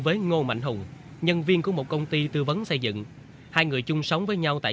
với ngô mạnh hùng nhân viên của một công ty tư vấn xây dựng hai người chung sống với nhau tại